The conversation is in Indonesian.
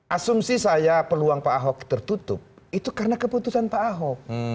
asumsi saya peluang pak ahok tertutup itu karena keputusan pak ahok